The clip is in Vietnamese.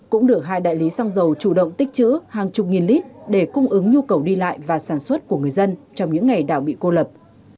cũng được hai đại lý xăng dầu chủ động tích chữ hàng chục nghìn lít để cung ứng nhu cầu đi lại và sản xuất của người dân trong những ngày đảo bị cô lập